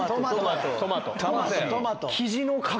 トマトや！